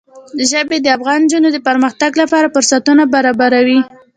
ژبې د افغان نجونو د پرمختګ لپاره فرصتونه برابروي.